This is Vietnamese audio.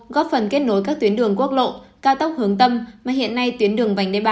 góp phần kết nối các tuyến đường quốc lộ cao tốc hướng tâm mà hiện nay tuyến đường vành đai ba